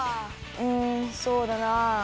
うんそうだな。